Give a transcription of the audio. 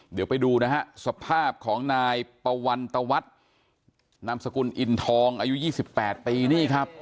เดี๋ยวไปดูนะฮะสภาพของนายปวันตวัฒน์นามสกุลอินทองอายุ๒๘ปีนี่ครับ